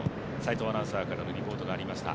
齋藤アナウンサーからのリポートがありました。